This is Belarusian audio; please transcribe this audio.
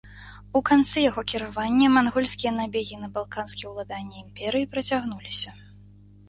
У канцы яго кіравання мангольскія набегі на балканскія ўладанні імперыі працягнуліся.